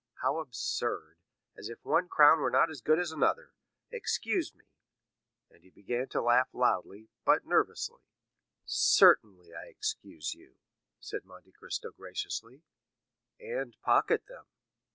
How absurd—as if one crown were not as good as another. Excuse me;" and he began to laugh loudly, but nervously. "Certainly, I excuse you," said Monte Cristo graciously, "and pocket them."